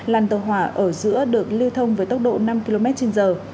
làn tàu hỏa ở giữa được lưu thông với tốc độ năm km trên giờ